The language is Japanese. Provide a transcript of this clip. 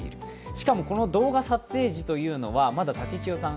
しかもこの動画撮影時というのがまだ武智代さん